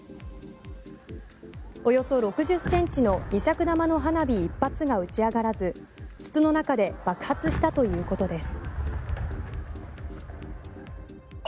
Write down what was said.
およそ６０センチの２尺玉の花火一発が打ち上がらず、筒の中で爆発したということです。